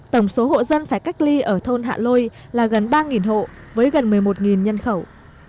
tổng số hộ dân phải cách ly ở thôn hạ lôi là gần ba hộ với gần một mươi một nhân khẩu